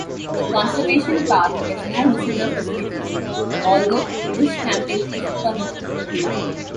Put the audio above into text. The conservation park has no visitor facilities, although bush camping is permitted.